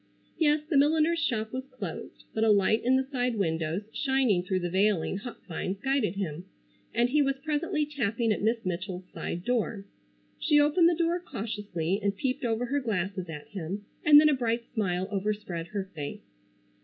Yes, the milliner's shop was closed, but a light in the side windows shining through the veiling hop vines guided him, and he was presently tapping at Miss Mitchell's side door. She opened the door cautiously and peeped over her glasses at him, and then a bright smile overspread her face.